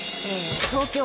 東京